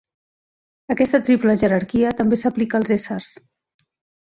Aquesta triple jerarquia també s'aplica als éssers.